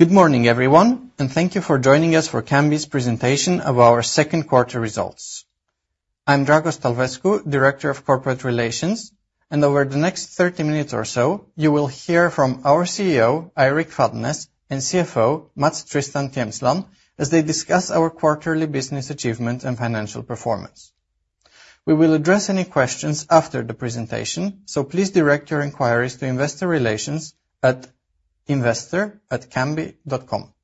Good morning, everyone, and thank you for joining us for Cambi's presentation of our Q2 results. I'm Dragos Talvescu, Director of Corporate Relations, and over the next 30 minutes or so, you will hear from our CEO, Eirik Fadnes, and CFO, Mats Tristan Tjemsland, as they discuss our quarterly business achievement and financial performance. We will address any questions after the presentation, so please direct your inquiries to investor relations at investor@cambi.com.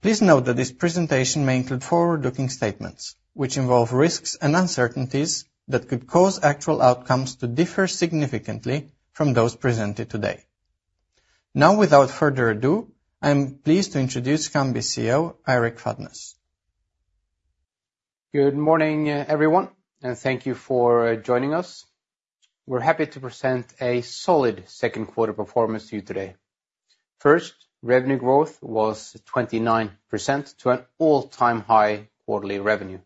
Please note that this presentation may include forward-looking statements, which involve risks and uncertainties that could cause actual outcomes to differ significantly from those presented today. Now, without further ado, I am pleased to introduce Cambi CEO, Eirik Fadnes. Good morning, everyone, and thank you for joining us. We're happy to present a solid Q2 performance to you today. First, revenue growth was 29% to an all-time high quarterly revenue.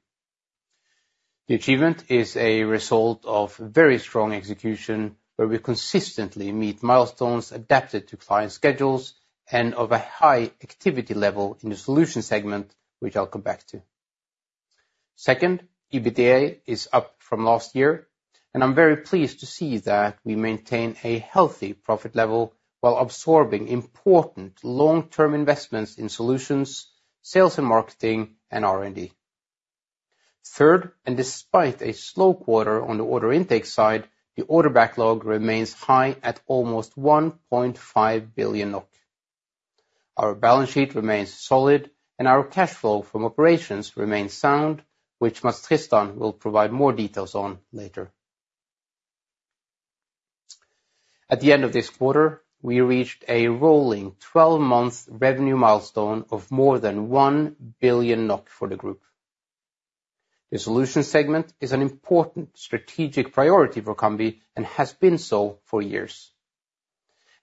The achievement is a result of very strong execution, where we consistently meet milestones adapted to client schedules and of a high activity level in the solution segment, which I'll come back to. Second, EBITDA is up from last year, and I'm very pleased to see that we maintain a healthy profit level while absorbing important long-term investments in solutions, sales and marketing, and R&D. Third, and despite a slow quarter on the order intake side, the order backlog remains high at almost 1.5 billion. Our balance sheet remains solid, and our cash flow from operations remains sound, which Mats Tristan Tjemsland will provide more details on later. At the end of this quarter, we reached a rolling 12-month revenue milestone of more than 1 billion NOK for the group. The solution segment is an important strategic priority for Cambi and has been so for years,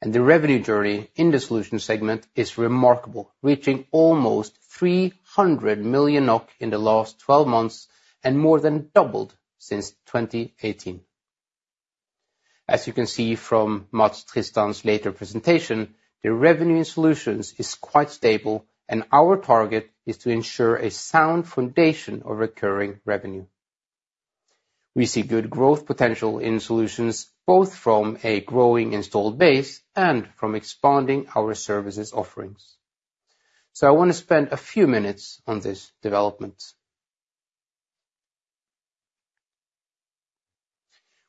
and the revenue journey in the solution segment is remarkable, reaching almost 300 million NOK in the last 12 month and more than doubled since 2018. As you can see from Mats Tristan Tjemsland's later presentation, the revenue in solutions is quite stable, and our target is to ensure a sound foundation of recurring revenue. We see good growth potential in solutions, both from a growing installed base and from expanding our services offerings, so I want to spend a few minutes on this development.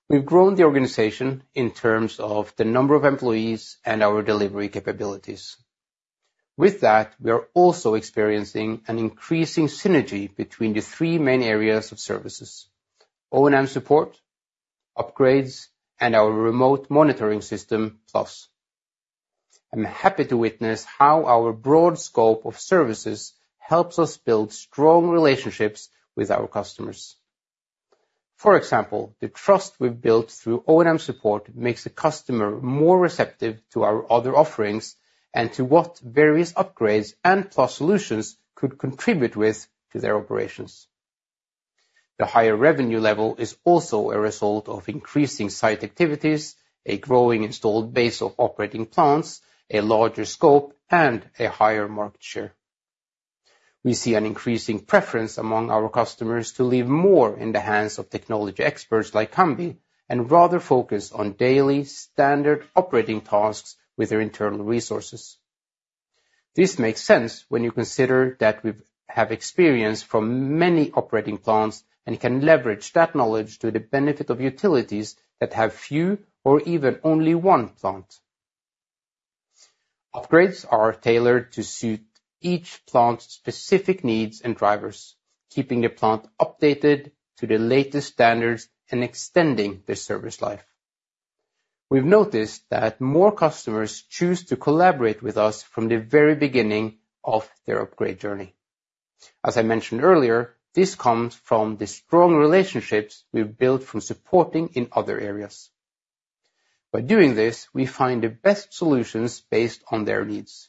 We've grown the organization in terms of the number of employees and our delivery capabilities. With that, we are also experiencing an increasing synergy between the three main areas of services: O&M support, upgrades, and our remote monitoring system, Plus. I'm happy to witness how our broad scope of services helps us build strong relationships with our customers. For example, the trust we've built through O&M support makes the customer more receptive to our other offerings and to what various upgrades and Plus solutions could contribute with to their operations. The higher revenue level is also a result of increasing site activities, a growing installed base of operating plants, a larger scope, and a higher market share. We see an increasing preference among our customers to leave more in the hands of technology experts like Cambi and rather focus on daily standard operating tasks with their internal resources. This makes sense when you consider that we have experience from many operating plants and can leverage that knowledge to the benefit of utilities that have few or even only one plant. Upgrades are tailored to suit each plant's specific needs and drivers, keeping the plant updated to the latest standards and extending the service life. We've noticed that more customers choose to collaborate with us from the very beginning of their upgrade journey. As I mentioned earlier, this comes from the strong relationships we've built from supporting in other areas. By doing this, we find the best solutions based on their needs.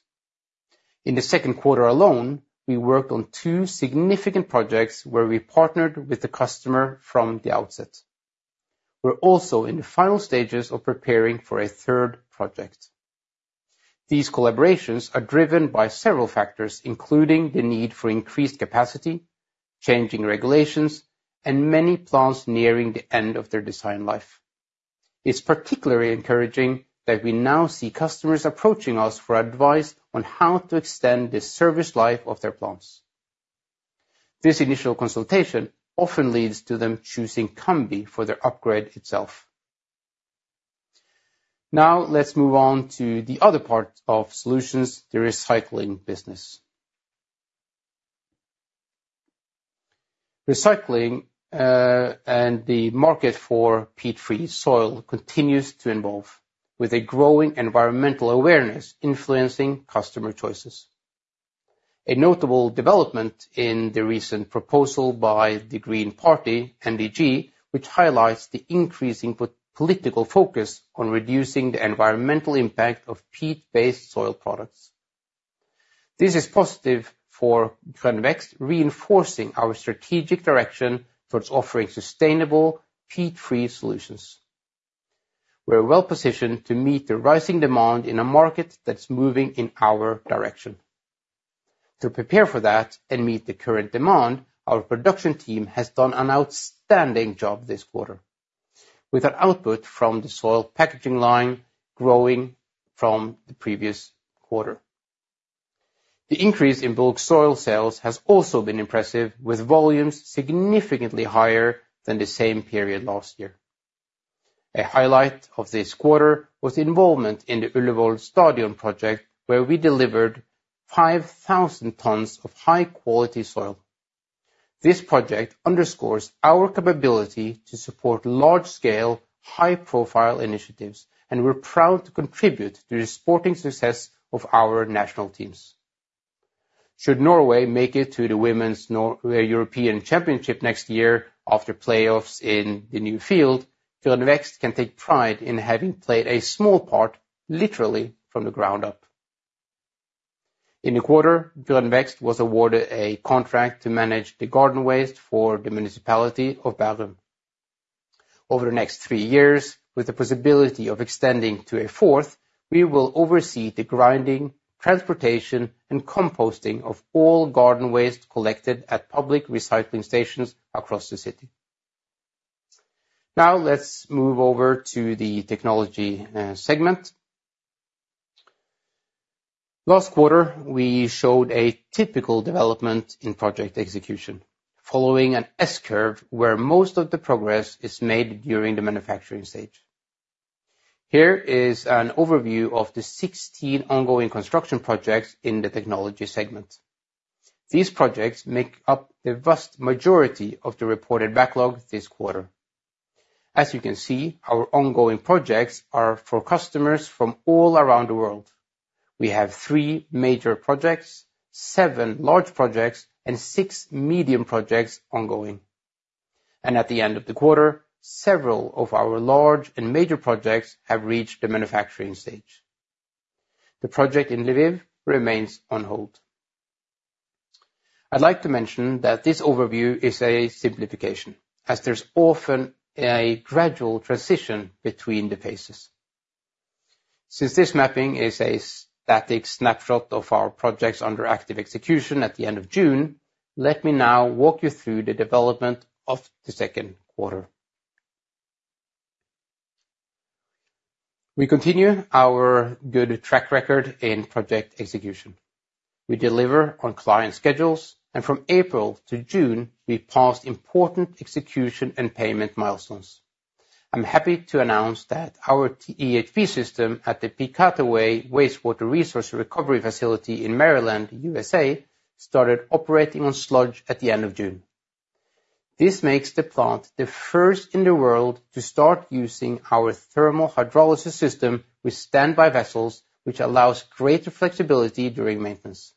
In the Q2 alone, we worked on two significant projects where we partnered with the customer from the outset. We're also in the final stages of preparing for a third project. These collaborations are driven by several factors, including the need for increased capacity, changing regulations, and many plants nearing the end of their design life. It's particularly encouraging that we now see customers approaching us for advice on how to extend the service life of their plants. This initial consultation often leads to them choosing Cambi for their upgrade itself. Now, let's move on to the other part of solutions, the recycling business. Recycling and the market for peat-free soil continues to evolve, with a growing environmental awareness influencing customer choices. A notable development in the recent proposal by the Green Party, MDG, which highlights the increasing political focus on reducing the environmental impact of peat-based soil products. This is positive for Grønnvekst, reinforcing our strategic direction towards offering sustainable, peat-free solutions. We're well positioned to meet the rising demand in a market that's moving in our direction. To prepare for that and meet the current demand, our production team has done an outstanding job this quarter, with our output from the soil packaging line growing from the previous quarter. The increase in bulk soil sales has also been impressive, with volumes significantly higher than the same period last year. A highlight of this quarter was involvement in the Ullevaal Stadium project, where we delivered five thousand tons of high-quality soil. This project underscores our capability to support large-scale, high-profile initiatives, and we're proud to contribute to the sporting success of our national teams. Should Norway make it to the Women's European Championship next year after playoffs in the new field, Grønnvekst can take pride in having played a small part, literally, from the ground up. In the quarter, Grønnvekst was awarded a contract to manage the garden waste for the municipality of Bærum. Over the next three years, with the possibility of extending to a fourth, we will oversee the grinding, transportation, and composting of all garden waste collected at public recycling stations across the city. Now, let's move over to the technology segment. Last quarter, we showed a typical development in project execution, following an S curve where most of the progress is made during the manufacturing stage. Here is an overview of the 16 ongoing construction projects in the technology segment. These projects make up the vast majority of the reported backlog this quarter. As you can see, our ongoing projects are for customers from all around the world. We have three major projects, seven large projects, and six medium projects ongoing, and at the end of the quarter, several of our large and major projects have reached the manufacturing stage. The project in Lviv remains on hold. I'd like to mention that this overview is a simplification, as there's often a gradual transition between the phases. Since this mapping is a static snapshot of our projects under active execution at the end of June, let me now walk you through the development of the Q2. We continue our good track record in project execution. We deliver on client schedules, and from April to June, we passed important execution and payment milestones. I'm happy to announce that our THP system at the Piscataway Wastewater Resource Recovery Facility in Maryland, USA, started operating on sludge at the end of June. This makes the plant the first in the world to start using our thermal hydrolysis system with standby vessels, which allows greater flexibility during maintenance.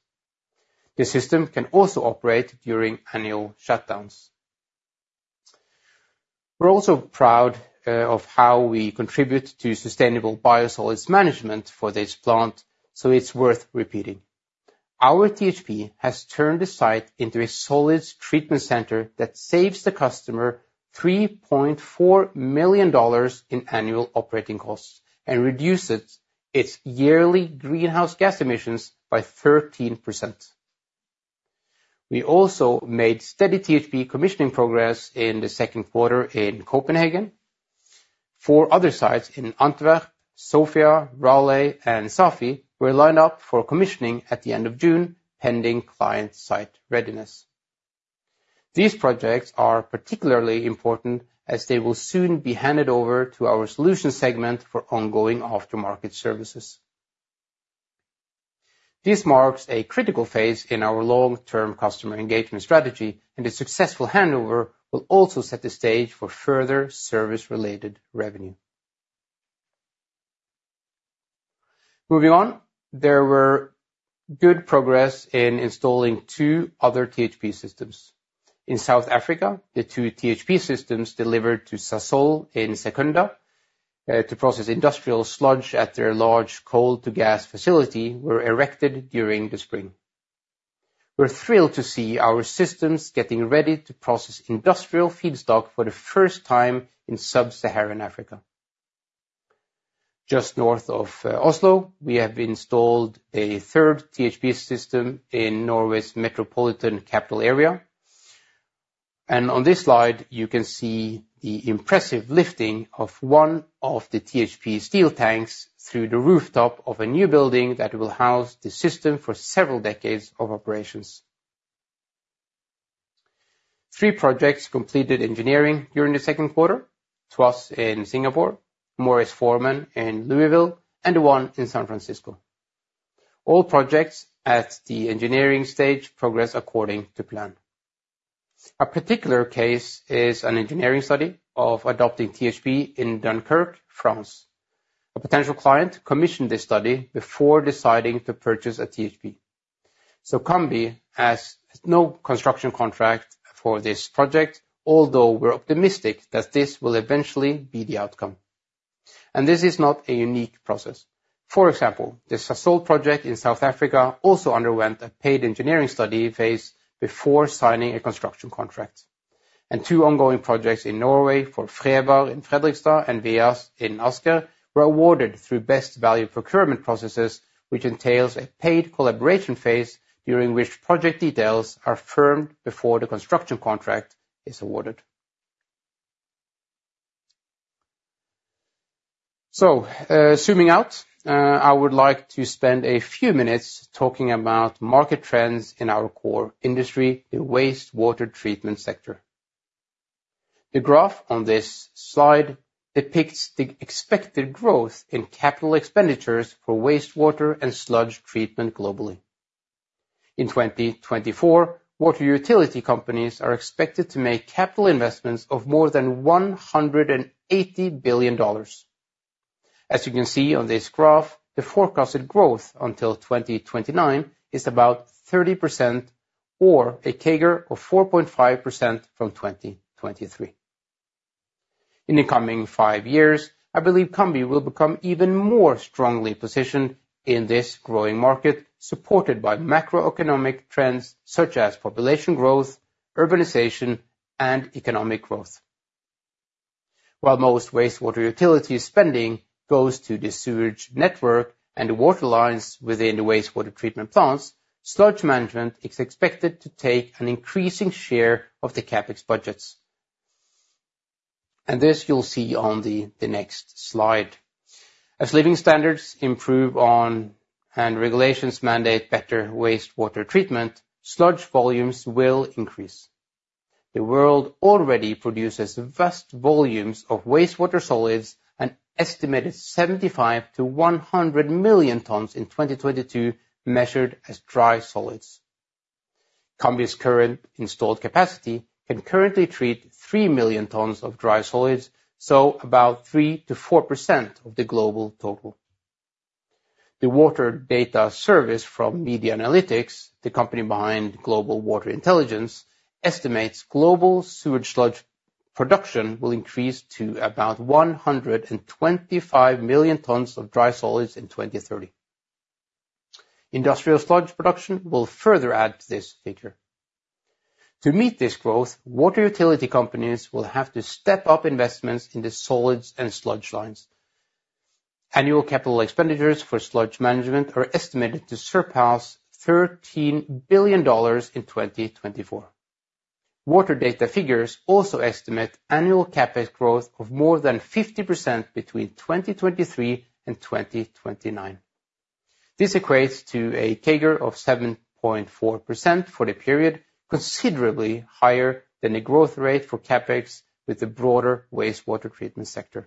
The system can also operate during annual shutdowns. We're also proud of how we contribute to sustainable biosolids management for this plant, so it's worth repeating. Our THP has turned the site into a solids treatment center that saves the customer $3.4 million in annual operating costs and reduces its yearly greenhouse gas emissions by 13%. We also made steady THP commissioning progress in the Q2 in Copenhagen. Four other sites in Antwerp, Sofia, Raleigh, and Safi were lined up for commissioning at the end of June, pending client site readiness. These projects are particularly important as they will soon be handed over to our solution segment for ongoing aftermarket services. This marks a critical phase in our long-term customer engagement strategy, and a successful handover will also set the stage for further service-related revenue. Moving on, there were good progress in installing two other THP systems. In South Africa, the two THP systems delivered to Sasol in Secunda to process industrial sludge at their large coal-to-gas facility were erected during the spring. We're thrilled to see our systems getting ready to process industrial feedstock for the first time in sub-Saharan Africa. Just north of Oslo, we have installed a third THP system in Norway's metropolitan capital area. And on this slide, you can see the impressive lifting of one of the THP steel tanks through the rooftop of a new building that will house the system for several decades of operations. Three projects completed engineering during the Q2, two in Singapore, Morris Forman in Louisville, and one in San Francisco. All projects at the engineering stage progress according to plan. A particular case is an engineering study of adopting THP in Dunkirk, France. A potential client commissioned this study before deciding to purchase a THP. So Cambi has no construction contract for this project, although we're optimistic that this will eventually be the outcome. And this is not a unique process. For example, the Sasol project in South Africa also underwent a paid engineering study phase before signing a construction contract... And two ongoing projects in Norway for Frevar in Fredrikstad and VEAS in Asker were awarded through best value procurement processes, which entails a paid collaboration phase during which project details are firmed before the construction contract is awarded. So, zooming out, I would like to spend a few minutes talking about market trends in our core industry, the wastewater treatment sector. The graph on this slide depicts the expected growth in capital expenditures for wastewater and sludge treatment globally. In 2024, water utility companies are expected to make capital investments of more than $180 billion. As you can see on this graph, the forecasted growth until 2029 is about 30%, or a CAGR of 4.5% from 2023. In the coming five years, I believe Cambi will become even more strongly positioned in this growing market, supported by macroeconomic trends such as population growth, urbanization, and economic growth. While most wastewater utility spending goes to the sewage network and water lines within the wastewater treatment plants, sludge management is expected to take an increasing share of the CapEx budgets, and this you'll see on the next slide. As living standards improve, and regulations mandate better wastewater treatment, sludge volumes will increase. The world already produces vast volumes of wastewater solids, an estimated 75-100 million tons in 2022, measured as dry solids. Cambi's current installed capacity can currently treat 3 million tons of dry solids, so about 3-4% of the global total. The Water Data Service from Media Analytics, the company behind Global Water Intelligence, estimates global sewage sludge production will increase to about 125 million tons of dry solids in 2030. Industrial sludge production will further add to this figure. To meet this growth, water utility companies will have to step up investments in the solids and sludge lines. Annual capital expenditures for sludge management are estimated to surpass $13 billion in 2024. Water data figures also estimate annual CapEx growth of more than 50% between 2023 and 2029. This equates to a CAGR of 7.4% for the period, considerably higher than the growth rate for CapEx with the broader wastewater treatment sector.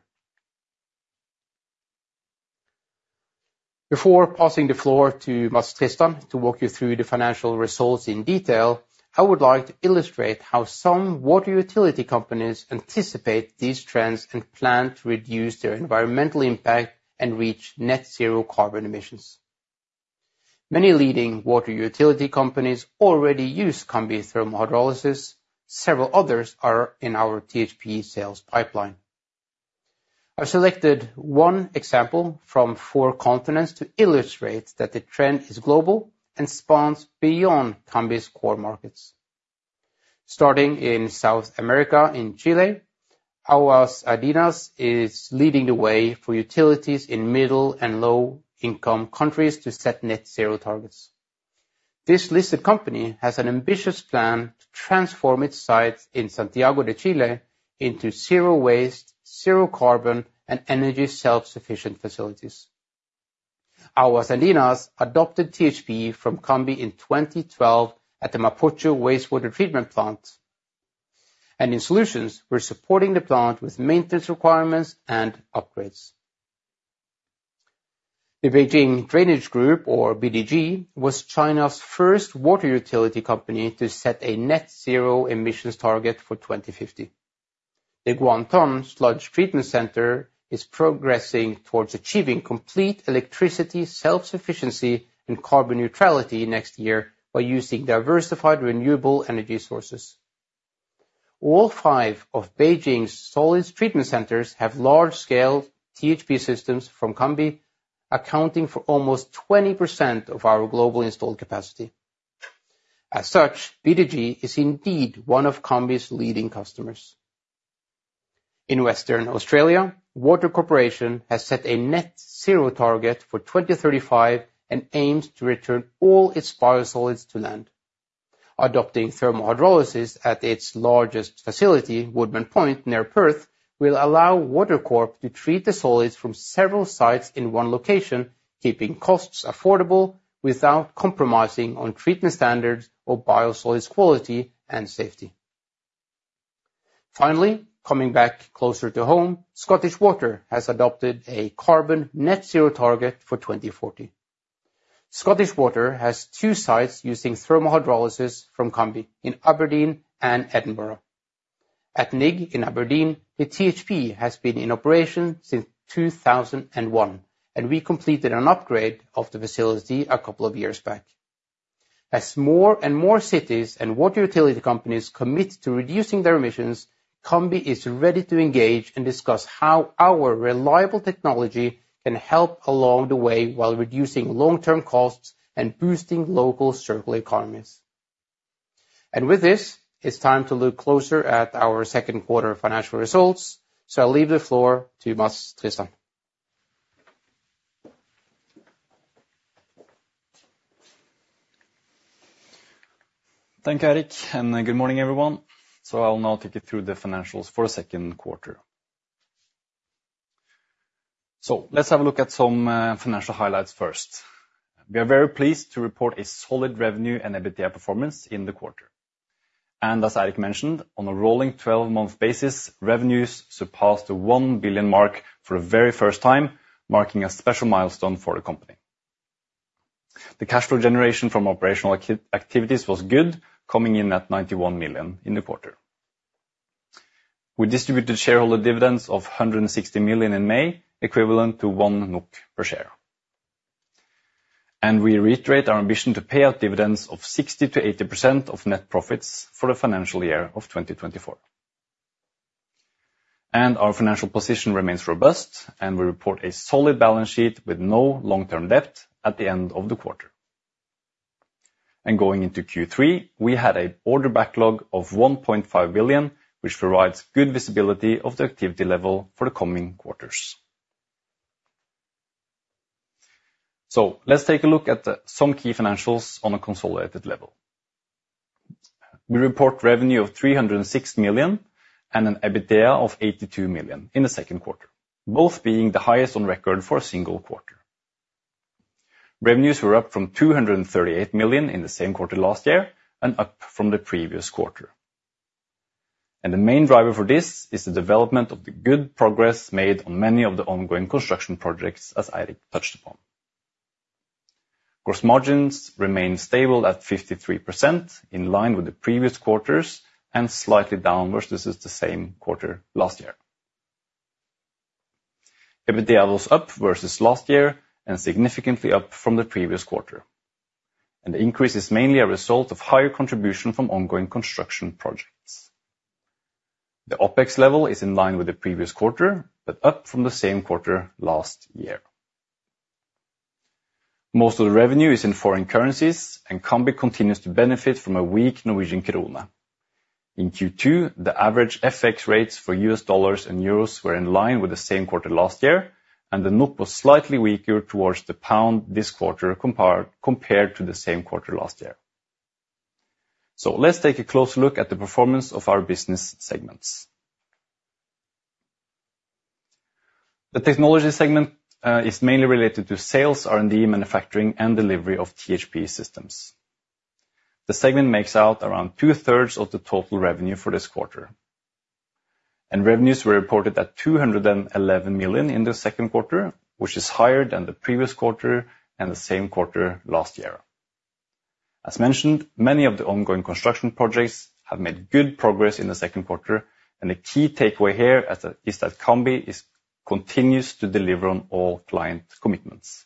Before passing the floor to Mats Tristan to walk you through the financial results in detail, I would like to illustrate how some water utility companies anticipate these trends and plan to reduce their environmental impact and reach net zero carbon emissions. Many leading water utility companies already use Cambi Thermal Hydrolysis. Several others are in our THP sales pipeline. I've selected one example from four continents to illustrate that the trend is global and spans beyond Cambi's core markets. Starting in South America, in Chile, Aguas Andinas is leading the way for utilities in middle and low-income countries to set net zero targets. This listed company has an ambitious plan to transform its site in Santiago de Chile into zero waste, zero carbon, and energy self-sufficient facilities. Aguas Andinas adopted THP from Cambi in 2012 at the Mapocho Wastewater Treatment Plant, and in solutions, we're supporting the plant with maintenance requirements and upgrades. The Beijing Drainage Group, or BDG, was China's first water utility company to set a net zero emissions target for 2050. The Gaoantun Sludge Treatment Center is progressing towards achieving complete electricity, self-sufficiency, and carbon neutrality next year by using diversified renewable energy sources. All five of Beijing's solids treatment centers have large-scale THP systems from Cambi, accounting for almost 20% of our global installed capacity. As such, BDG is indeed one of Cambi's leading customers. In Western Australia, Water Corporation has set a net zero target for 2035, and aims to return all its biosolids to land. Adopting thermal hydrolysis at its largest facility, Woodman Point, near Perth, will allow Water Corp to treat the solids from several sites in one location, keeping costs affordable without compromising on treatment standards or biosolids quality and safety. Finally, coming back closer to home, Scottish Water has adopted a carbon net zero target for 2040. Scottish Water has two sites using thermal hydrolysis from Cambi in Aberdeen and Edinburgh. At Nigg in Aberdeen, the THP has been in operation since 2001, and we completed an upgrade of the facility a couple of years back. As more and more cities and water utility companies commit to reducing their emissions-... Cambi is ready to engage and discuss how our reliable technology can help along the way, while reducing long-term costs and boosting local circular economies. And with this, it's time to look closer at our Q2 financial results. So I'll leave the floor to Mats Tristan. Thank you, Eirik, and good morning, everyone. So I'll now take you through the financials for the Q2. So let's have a look at some financial highlights first. We are very pleased to report a solid revenue and EBITDA performance in the quarter. And as Eirik mentioned, on a rolling 12-month basis, revenues surpassed the 1 billion mark for the very first time, marking a special milestone for the company. The cash flow generation from operational activities was good, coming in at 91 million in the quarter. We distributed shareholder dividends of 160 million in May, equivalent to 1 NOK per share. And we reiterate our ambition to pay out dividends of 60%-80% of net profits for the financial year of 2024. Our financial position remains robust, and we report a solid balance sheet with no long-term debt at the end of the quarter. Going into Q3, we had an order backlog of 1.5 billion, which provides good visibility of the activity level for the coming quarters. Let's take a look at some key financials on a consolidated level. We report revenue of 306 million and an EBITDA of 82 million in the Q2, both being the highest on record for a single quarter. Revenues were up from 238 million in the same quarter last year and up from the previous quarter. The main driver for this is the development of the good progress made on many of the ongoing construction projects, as Eirik touched upon. Gross margins remained stable at 53%, in line with the previous quarters and slightly downwards. This is the same quarter last year. EBITDA was up versus last year and significantly up from the previous quarter, and the increase is mainly a result of higher contribution from ongoing construction projects. The OpEx level is in line with the previous quarter, but up from the same quarter last year. Most of the revenue is in foreign currencies, and Cambi continues to benefit from a weak Norwegian krona. In Q2, the average FX rates for US dollars and euros were in line with the same quarter last year, and the NOK was slightly weaker towards the pound this quarter compared to the same quarter last year. So let's take a close look at the performance of our business segments. The technology segment is mainly related to sales, R&D, manufacturing, and delivery of THP systems. The segment makes out around two-thirds of the total revenue for this quarter. Revenues were reported at 211 million in the Q2, which is higher than the previous quarter and the same quarter last year. As mentioned, many of the ongoing construction projects have made good progress in the Q2, and the key takeaway here is that Cambi continues to deliver on all client commitments.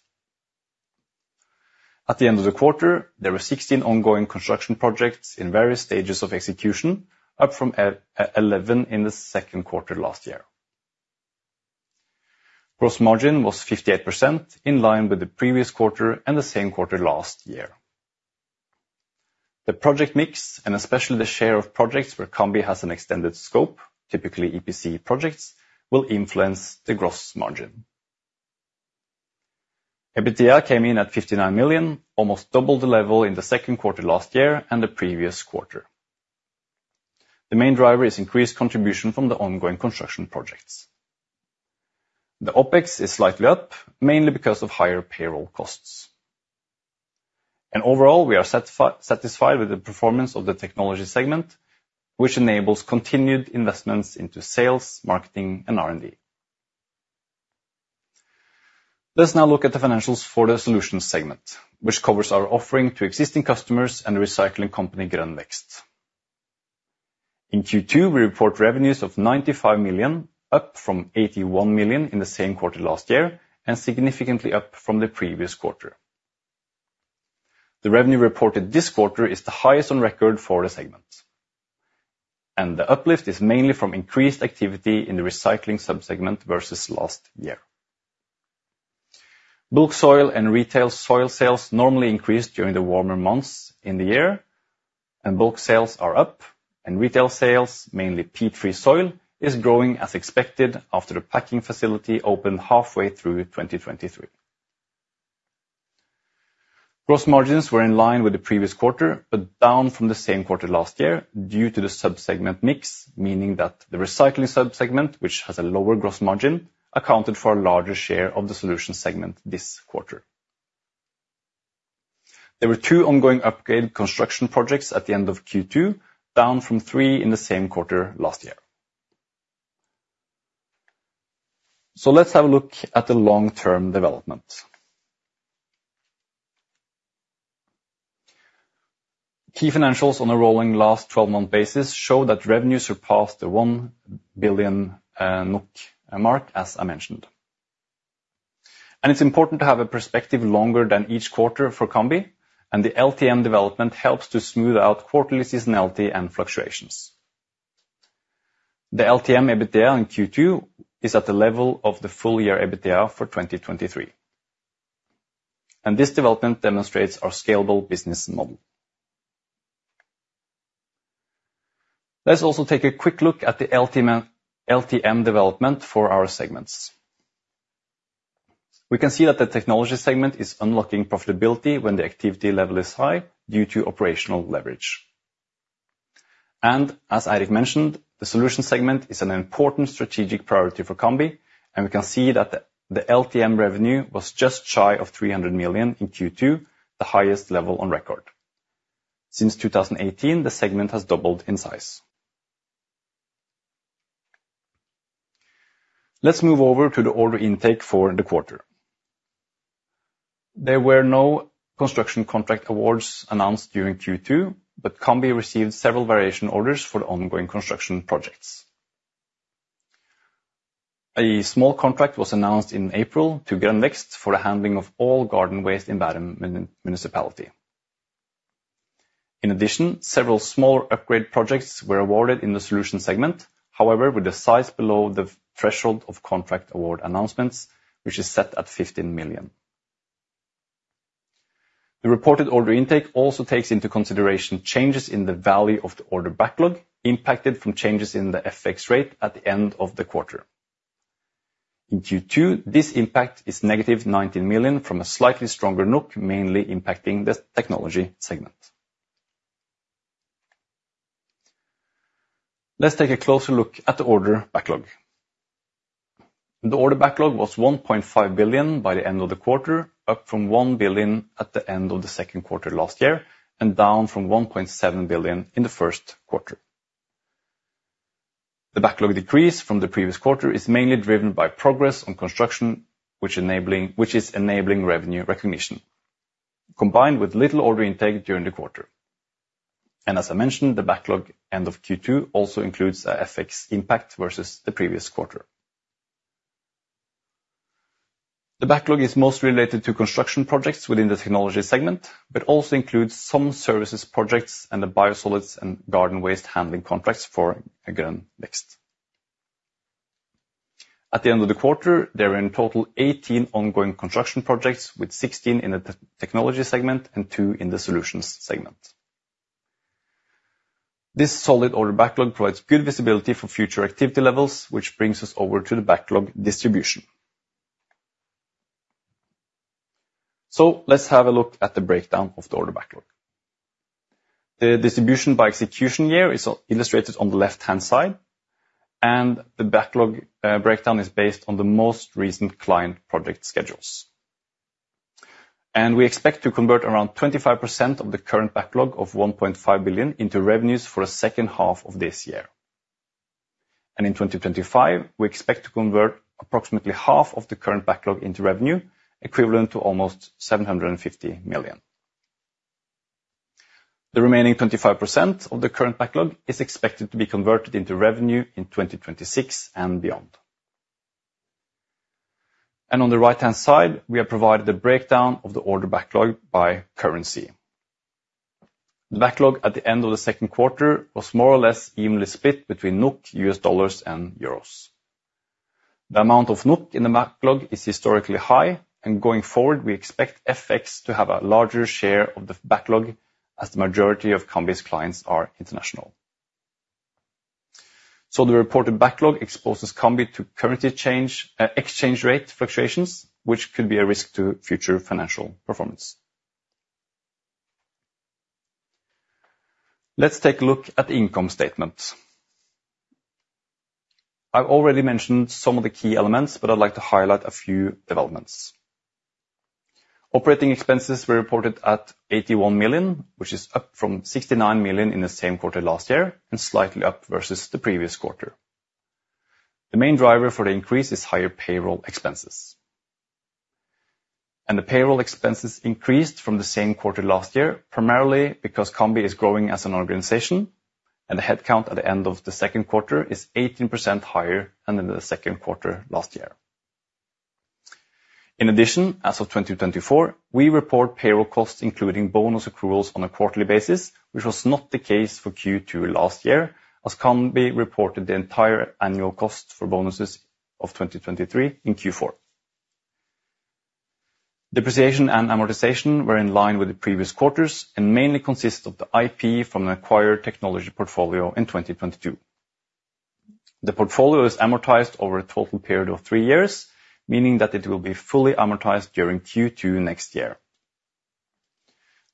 At the end of the quarter, there were 16 ongoing construction projects in various stages of execution, up from 11 in the Q2 last year. Gross margin was 58%, in line with the previous quarter and the same quarter last year. The project mix, and especially the share of projects where Cambi has an extended scope, typically EPC projects, will influence the gross margin. EBITDA came in at 59 million, almost double the level in the Q2 last year and the previous quarter. The main driver is increased contribution from the ongoing construction projects. The OpEx is slightly up, mainly because of higher payroll costs. And overall, we are satisfied with the performance of the technology segment, which enables continued investments into sales, marketing, and R&D. Let's now look at the financials for the solutions segment, which covers our offering to existing customers and the recycling company, Grønnvekst. In Q2, we report revenues of 95 million, up from 81 million in the same quarter last year, and significantly up from the previous quarter. The revenue reported this quarter is the highest on record for the segment, and the uplift is mainly from increased activity in the recycling sub-segment versus last year. Bulk soil and retail soil sales normally increase during the warmer months in the year, and bulk sales are up, and retail sales, mainly peat-free soil, is growing as expected after the packing facility opened halfway through 2023. Gross margins were in line with the previous quarter, but down from the same quarter last year due to the sub-segment mix, meaning that the recycling sub-segment, which has a lower gross margin, accounted for a larger share of the solution segment this quarter. There were two ongoing upgrade construction projects at the end of Q2, down from three in the same quarter last year. So let's have a look at the long-term development. Key financials on a rolling last 12-month basis show that revenues surpassed the 1 billion NOK mark, as I mentioned. It's important to have a perspective longer than each quarter for Cambi, and the LTM development helps to smooth out quarterly seasonality and fluctuations. The LTM EBITDA in Q2 is at the level of the full year EBITDA for 2023, and this development demonstrates our scalable business model. Let's also take a quick look at the LTM development for our segments. We can see that the technology segment is unlocking profitability when the activity level is high due to operational leverage. As Eirik mentioned, the solutions segment is an important strategic priority for Cambi, and we can see that the LTM revenue was just shy of 300 million NOK in Q2, the highest level on record. Since 2018, the segment has doubled in size. Let's move over to the order intake for the quarter. There were no construction contract awards announced during Q2, but Cambi received several variation orders for the ongoing construction projects. A small contract was announced in April to Grønnvekst for the handling of all garden waste in Bærum Municipality. In addition, several small upgrade projects were awarded in the solutions segment. However, with the size below the threshold of contract award announcements, which is set at 15 million. The reported order intake also takes into consideration changes in the value of the order backlog, impacted from changes in the FX rate at the end of the quarter. In Q2, this impact is negative 19 million from a slightly stronger NOK, mainly impacting the technology segment. Let's take a closer look at the order backlog. The order backlog was 1.5 billion by the end of the quarter, up from 1 billion at the end of the Q2 last year, and down from 1.7 billion in the first quarter. The backlog decrease from the previous quarter is mainly driven by progress on construction, which is enabling revenue recognition, combined with little order intake during the quarter. As I mentioned, the backlog end of Q2 also includes a FX impact versus the previous quarter. The backlog is mostly related to construction projects within the technology segment, but also includes some services projects and the biosolids and garden waste handling contracts for Grønnvekst. At the end of the quarter, there were in total 18 ongoing construction projects, with 16 in the technology segment and two in the solutions segment. This solid order backlog provides good visibility for future activity levels, which brings us over to the backlog distribution, so let's have a look at the breakdown of the order backlog. The distribution by execution year is illustrated on the left-hand side, and the backlog breakdown is based on the most recent client project schedules, and we expect to convert around 25% of the current backlog of 1.5 billion into revenues for the second half of this year, and in 2025, we expect to convert approximately half of the current backlog into revenue, equivalent to almost 750 million. The remaining 25% of the current backlog is expected to be converted into revenue in 2026 and beyond, and on the right-hand side, we have provided a breakdown of the order backlog by currency. The backlog at the end of the Q2 was more or less evenly split between NOK, USD, and EUR. The amount of NOK in the backlog is historically high, and going forward, we expect FX to have a larger share of the backlog as the majority of Cambi's clients are international. So the reported backlog exposes Cambi to currency change, exchange rate fluctuations, which could be a risk to future financial performance. Let's take a look at the income statement. I've already mentioned some of the key elements, but I'd like to highlight a few developments. Operating expenses were reported at 81 million, which is up from 69 million in the same quarter last year and slightly up versus the previous quarter. The main driver for the increase is higher payroll expenses. The payroll expenses increased from the same quarter last year, primarily because Cambi is growing as an organization, and the headcount at the end of the Q2 is 18% higher than in the Q2 last year. In addition, as of 2024, we report payroll costs, including bonus accruals on a quarterly basis, which was not the case for Q2 last year, as Cambi reported the entire annual cost for bonuses of 2023 in Q4. Depreciation and amortization were in line with the previous quarters and mainly consists of the IP from the acquired technology portfolio in 2022. The portfolio is amortized over a total period of 3 years, meaning that it will be fully amortized during Q2 next year.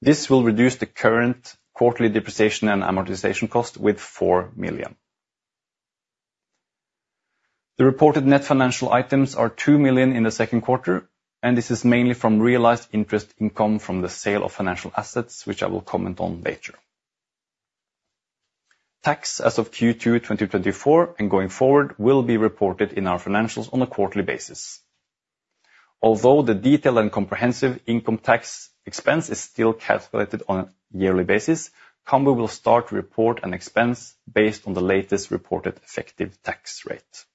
This will reduce the current quarterly depreciation and amortization cost with 4 million. The reported net financial items are 2 million in the Q2, and this is mainly from realized interest income from the sale of financial assets, which I will comment on later. Tax as of Q2 2024 and going forward will be reported in our financials on a quarterly basis. Although the detailed and comprehensive income tax expense is still calculated on a yearly basis, Cambi will start to report an expense based on the latest reported effective tax rate.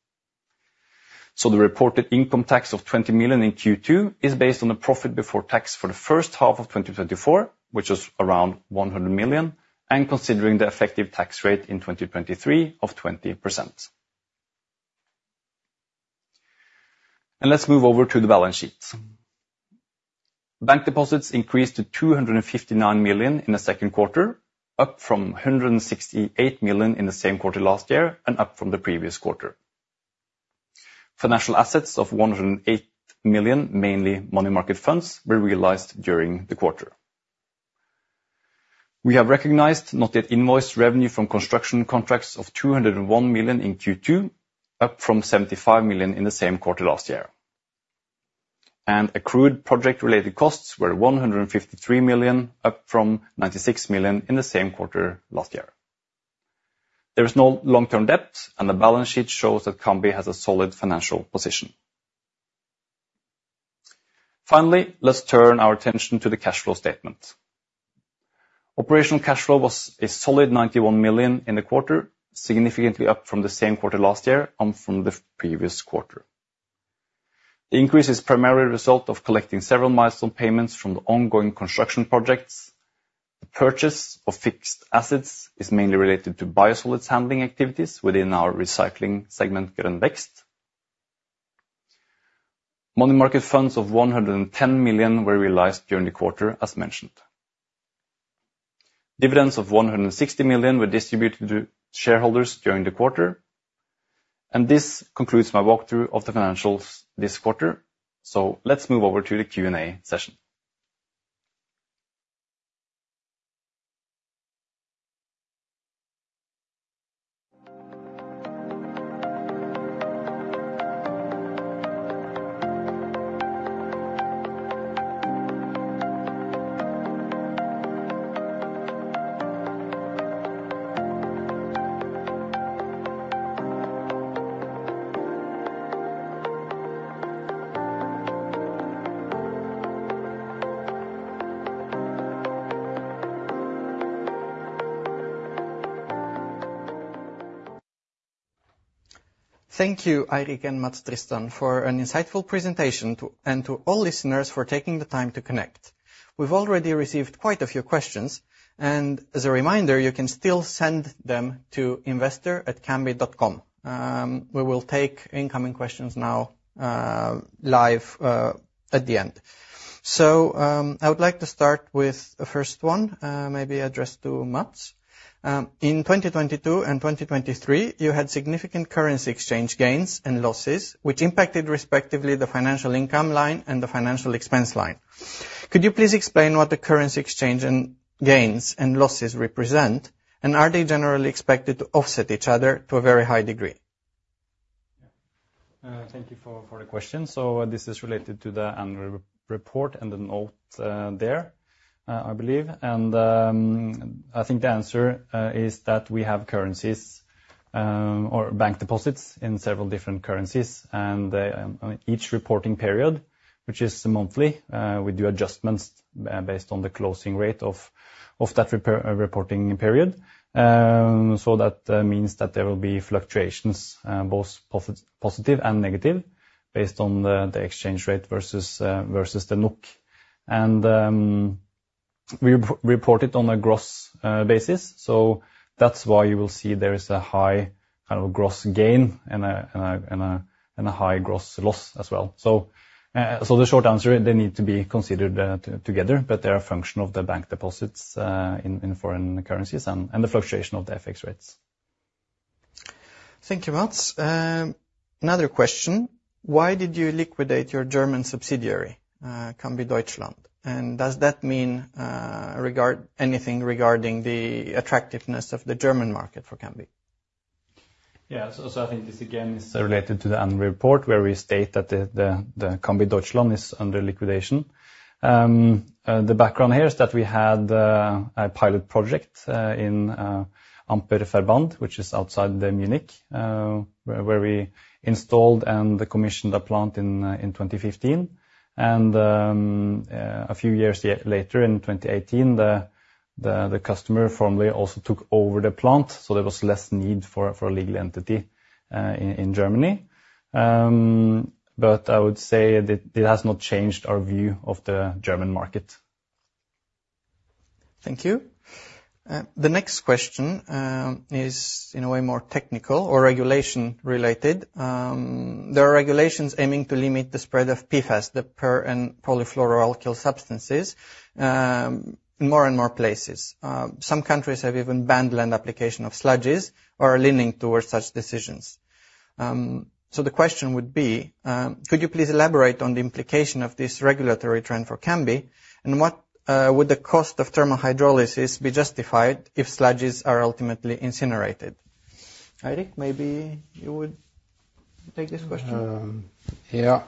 So the reported income tax of 20 million in Q2 is based on the profit before tax for the first half of 2024, which was around 100 million, and considering the effective tax rate in 2023 of 20%. And let's move over to the balance sheet. Bank deposits increased to 259 million in the Q2, up from 168 million in the same quarter last year and up from the previous quarter. Financial assets of 108 million, mainly money market funds, were realized during the quarter. We have recognized not yet invoiced revenue from construction contracts of 201 million in Q2, up from 75 million in the same quarter last year, and accrued project-related costs were 153 million, up from 96 million in the same quarter last year. There is no long-term debt, and the balance sheet shows that Cambi has a solid financial position. Finally, let's turn our attention to the cash flow statement. Operational cash flow was a solid 91 million in the quarter, significantly up from the same quarter last year and from the previous quarter. The increase is primarily a result of collecting several milestone payments from the ongoing construction projects. The purchase of fixed assets is mainly related to biosolids handling activities within our recycling segment, Grønnvekst. Money market funds of 110 million were realized during the quarter, as mentioned. Dividends of 160 million were distributed to shareholders during the quarter, and this concludes my walkthrough of the financials this quarter. So let's move over to the Q&A session. Thank you, Eirik and Mats Tristan, for an insightful presentation, and to all listeners for taking the time to connect. We've already received quite a few questions, and as a reminder, you can still send them to investor@cambi.com. We will take incoming questions now, live, at the end. I would like to start with the first one, maybe addressed to Mats. In 2022 and 2023, you had significant currency exchange gains and losses, which impacted, respectively, the financial income line and the financial expense line. Could you please explain what the currency exchange gains and losses represent, and are they generally expected to offset each other to a very high degree? Thank you for the question. So this is related to the annual report and the note there, I believe. And I think the answer is that we have currencies or bank deposits in several different currencies, and each reporting period, which is monthly, we do adjustments based on the closing rate of that reporting period. So that means that there will be fluctuations, both positive and negative, based on the exchange rate versus the NOK. And we report it on a gross basis, so that's why you will see there is a high kind of gross gain and a high gross loss as well. The short answer, they need to be considered together, but they are a function of the bank deposits in foreign currencies and the fluctuation of the FX rates. Thank you, Mats. Another question: Why did you liquidate your German subsidiary, Cambi Deutschland? And does that mean anything regarding the attractiveness of the German market for Cambi? Yeah, so I think this, again, is related to the annual report, where we state that the Cambi Deutschland is under liquidation. The background here is that we had a pilot project in Amperverband, which is outside Munich, where we installed and commissioned a plant in 2015. A few years later, in 2018, the customer formally also took over the plant, so there was less need for a legal entity in Germany, but I would say that it has not changed our view of the German market. Thank you. The next question is in a way more technical or regulation related. There are regulations aiming to limit the spread of PFAS, the per- and polyfluoroalkyl substances, in more and more places. Some countries have even banned land application of sludges or are leaning towards such decisions. So the question would be: Could you please elaborate on the implication of this regulatory trend for Cambi, and what would the cost of thermal hydrolysis be justified if sludges are ultimately incinerated? Eirik, maybe you would take this question. Yeah.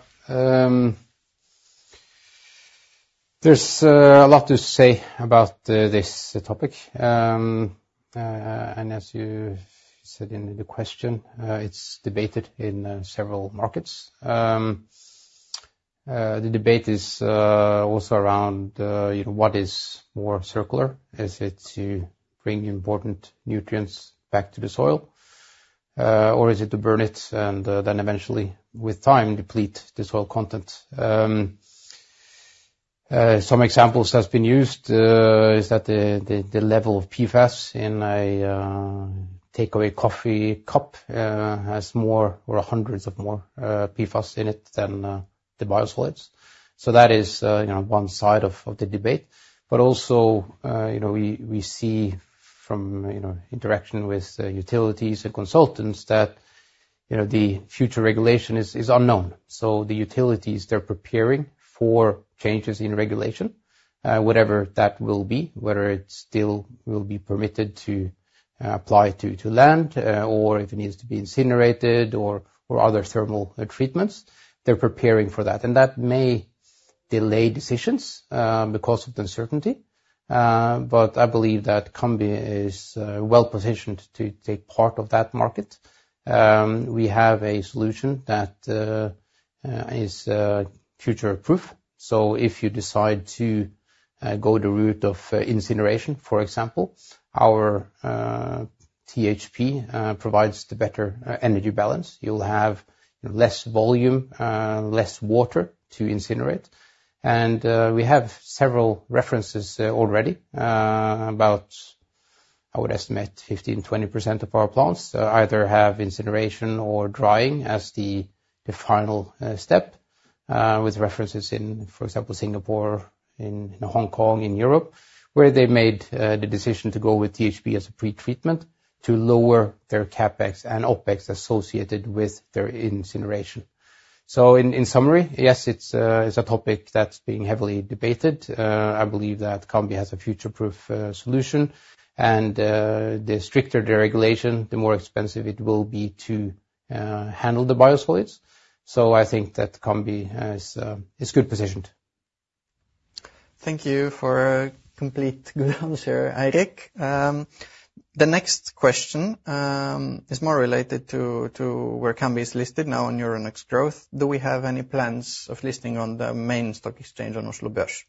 There's a lot to say about this topic, and as you said in the question, it's debated in several markets.... the debate is also around, you know, what is more circular? Is it to bring important nutrients back to the soil or is it to burn it and then eventually, with time, deplete the soil content? Some examples that's been used is that the level of PFAS in a takeaway coffee cup has more or hundreds of more PFAS in it than the biosolids. So that is, you know, one side of the debate. But also, you know, we see from, you know, interaction with utilities and consultants that, you know, the future regulation is unknown. So the utilities, they're preparing for changes in regulation, whatever that will be, whether it still will be permitted to apply to land, or if it needs to be incinerated or other thermal treatments. They're preparing for that, and that may delay decisions because of the uncertainty. But I believe that Cambi is well-positioned to take part of that market. We have a solution that is future-proof. So if you decide to go the route of incineration, for example, our THP provides the better energy balance. You'll have less volume, less water to incinerate. We have several references already about. I would estimate 15%-20% of our plants either have incineration or drying as the final step with references in, for example, Singapore, in Hong Kong, in Europe, where they made the decision to go with THP as a pretreatment to lower their CapEx and OpEx associated with their incineration. So in summary, yes, it's a topic that's being heavily debated. I believe that Cambi has a future-proof solution, and the stricter the regulation, the more expensive it will be to handle the biosolids. So I think that Cambi is well positioned. Thank you for a complete good answer, Eirik. The next question is more related to where Cambi is listed now on Euronext Growth. Do we have any plans of listing on the main stock exchange on Oslo Børs?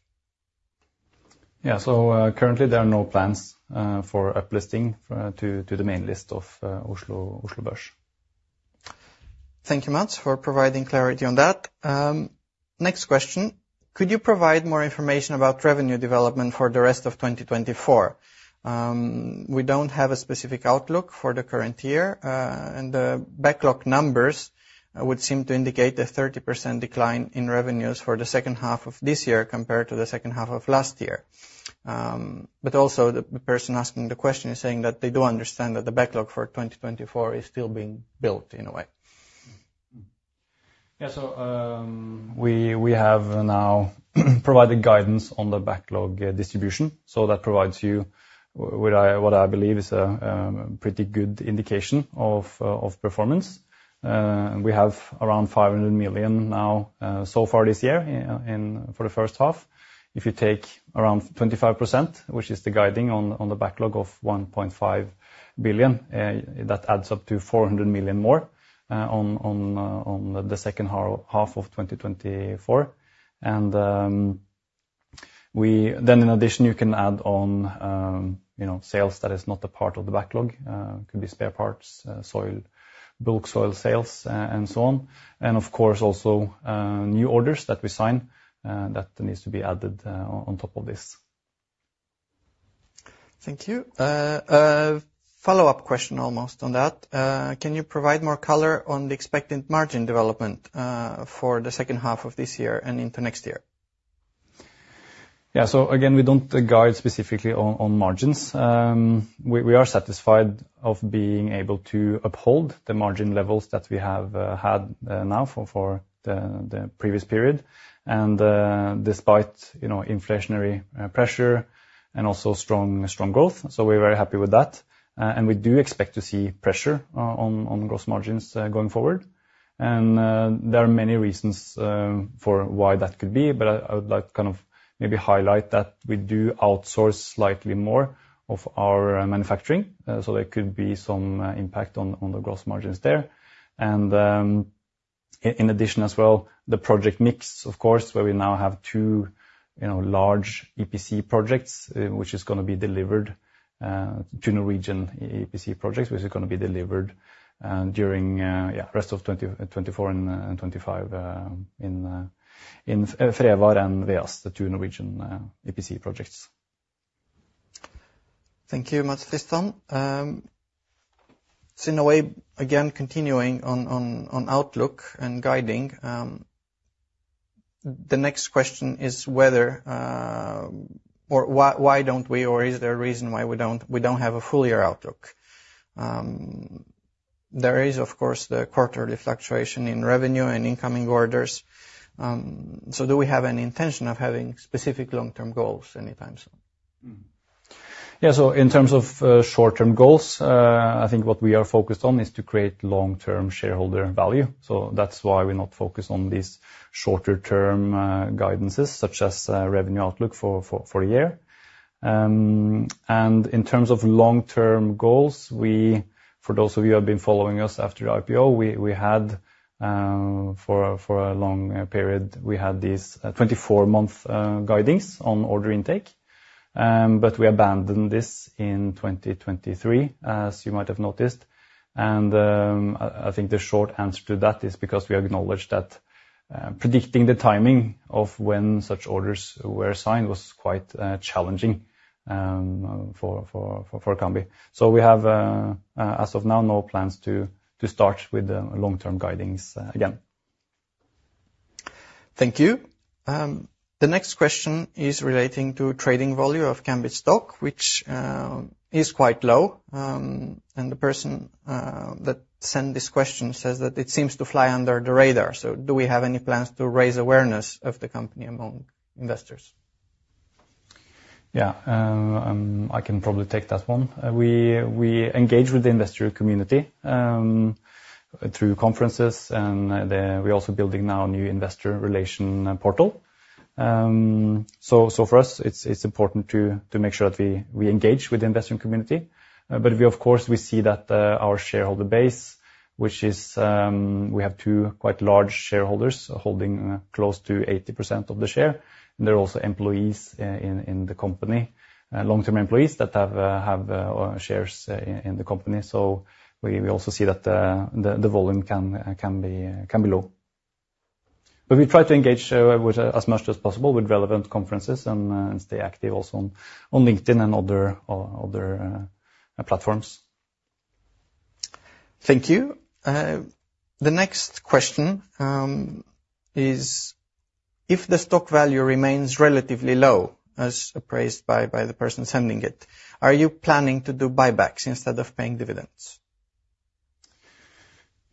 Yeah. So, currently, there are no plans for uplisting to the main list of Oslo Børs. Thank you, Mats, for providing clarity on that. Next question: Could you provide more information about revenue development for the rest of2024? We don't have a specific outlook for the current year, and the backlog numbers would seem to indicate a 30% decline in revenues for the second half of this year compared to the second half of last year. But also the person asking the question is saying that they do understand that the backlog for 2024 is still being built in a way. Yeah. So we have now provided guidance on the backlog distribution. So that provides you what I believe is a pretty good indication of performance. We have around 500 million now so far this year for the first half. If you take around 25%, which is the guiding on the backlog of 1.5 billion, that adds up to 400 million more on the second half of 2024. And then in addition, you can add on you know, sales that is not a part of the backlog. It could be spare parts, soil, bulk soil sales, and so on. And of course, also, new orders that we sign that needs to be added on top of this. Thank you. A follow-up question almost on that. Can you provide more color on the expected margin development, for the second half of this year and into next year? Yeah. So again, we don't guide specifically on margins. We are satisfied with being able to uphold the margin levels that we have had now for the previous period, and despite you know inflationary pressure and also strong growth. We're very happy with that, and we do expect to see pressure on gross margins going forward. And there are many reasons for why that could be, but I would like to kind of maybe highlight that we do outsource slightly more of our manufacturing, so there could be some impact on the gross margins there. And in addition as well, the project mix, of course, where we now have two you know large EPC projects which is gonna be delivered. Two Norwegian EPC projects, which are gonna be delivered during rest of 2024 and 2025, in Frevar and VEAS, the two Norwegian EPC projects. Thank you, Mads Kristiansen. So in a way, again, continuing on outlook and guidance, the next question is whether or why don't we, or is there a reason why we don't have a full year outlook? There is, of course, the quarterly fluctuation in revenue and incoming orders, so do we have any intention of having specific long-term goals anytime soon? Yeah, so in terms of short-term goals, I think what we are focused on is to create long-term shareholder value. So that's why we're not focused on these shorter-term guidances, such as revenue outlook for a year. And in terms of long-term goals, for those of you who have been following us after IPO, for a long period, we had these 24-month guidances on order intake. But we abandoned this in 2023, as you might have noticed. I think the short answer to that is because we acknowledge that predicting the timing of when such orders were signed was quite challenging for Cambi. So we have, as of now, no plans to start with long-term guidances again. Thank you. The next question is relating to trading volume of Cambi stock, which is quite low, and the person that sent this question says that it seems to fly under the radar. So do we have any plans to raise awareness of the company among investors? Yeah, I can probably take that one. We engage with the investor community through conferences, and we're also building now a new investor relation portal. So for us, it's important to make sure that we engage with the investment community. But we of course see that our shareholder base, which is, we have two quite large shareholders holding close to 80% of the share, and they're also employees in the company. Long-term employees that have shares in the company. So we also see that the volume can be low. But we try to engage with as much as possible with relevant conferences, and stay active also on LinkedIn and other platforms. Thank you. The next question is: If the stock value remains relatively low, as appraised by the person sending it, are you planning to do buybacks instead of paying dividends?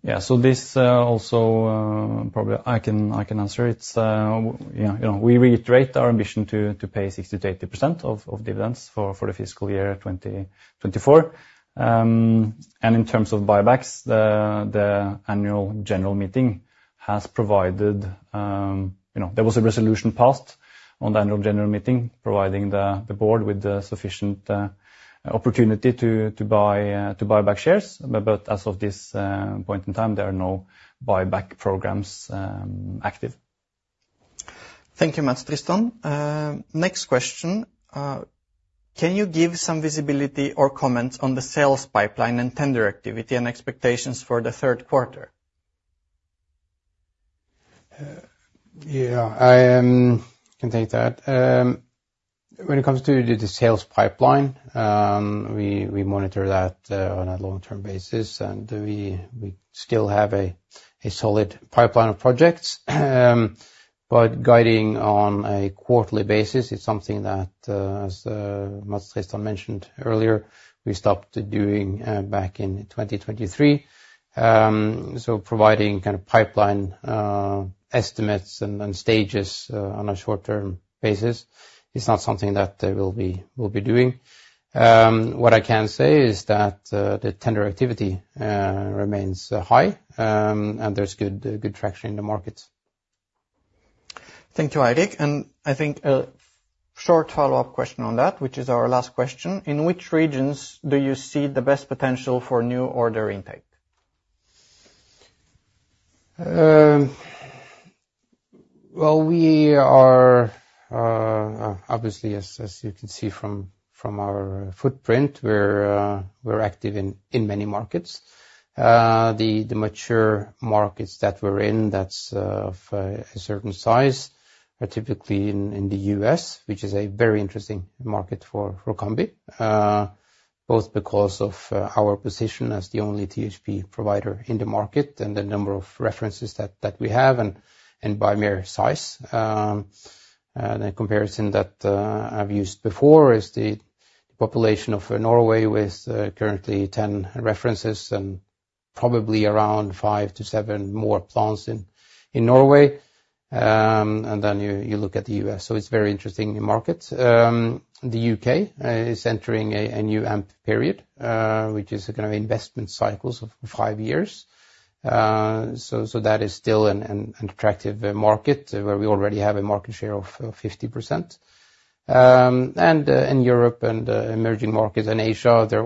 Yeah, so this also probably I can answer. It's you know we reiterate our ambition to pay 60%-80% of dividends for the fiscal year 2024. And in terms of buybacks the annual general meeting has provided. You know there was a resolution passed on the annual general meeting providing the board with the sufficient opportunity to buy back shares. But as of this point in time there are no buyback programs active. Thank you, Mats Tristan. Next question: Can you give some visibility or comment on the sales pipeline and tender activity and expectations for the Q3? Yeah, I can take that. When it comes to the sales pipeline, we monitor that on a long-term basis, and we still have a solid pipeline of projects, but guiding on a quarterly basis is something that, as Mats Tristan mentioned earlier, we stopped doing back in 2023, so providing kind of pipeline estimates and stages on a short-term basis is not something that we'll be doing. What I can say is that the tender activity remains high, and there's good traction in the markets. Thank you, Eirik, and I think a short follow-up question on that, which is our last question: In which regions do you see the best potential for new order intake? We are obviously, as you can see from our footprint, we're active in many markets. The mature markets that we're in, that's of a certain size, are typically in the U.S., which is a very interesting market for Cambi. Both because of our position as the only THP provider in the market and the number of references that we have, and by mere size. A comparison that I've used before is the population of Norway, with currently 10 references and probably around five to seven more plants in Norway. Then you look at the U.S., so it's a very interesting market. The U.K. is entering a new AMP period, which is a kind of investment cycles of five years. That is still an attractive market, where we already have a market share of 50%. And in Europe and emerging markets in Asia, they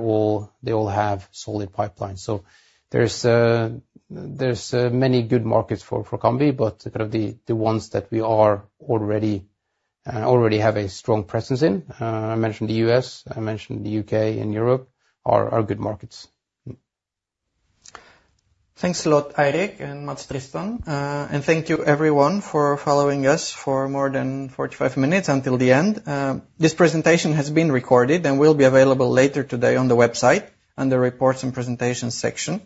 all have solid pipelines. So there's many good markets for Cambi, but kind of the ones that we are already have a strong presence in, I mentioned the U.S., I mentioned the U.K. and Europe, are good markets. Thanks a lot, Eirik and Mats Tristan. And thank you, everyone, for following us for more than 45 minutes until the end. This presentation has been recorded and will be available later today on the website, under Reports and Presentations section.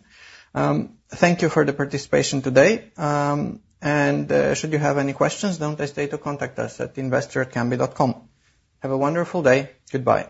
Thank you for the participation today. And, should you have any questions, don't hesitate to contact us at investor@cambi.com. Have a wonderful day. Goodbye.